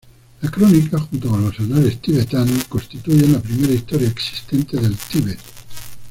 La Crónica, junto con los Anales Tibetanos, constituyen la primera historia existente del Tíbet.